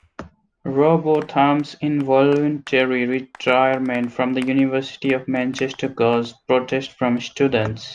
Rowbotham's involuntary retirement from the University of Manchester caused protest from students.